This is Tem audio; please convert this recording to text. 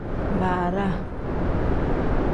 Baaraa.